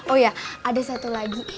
oh ya ada satu lagi